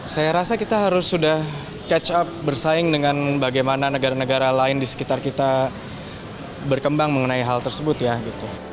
saya rasa kita harus sudah catch up bersaing dengan bagaimana negara negara lain di sekitar kita berkembang mengenai hal tersebut ya gitu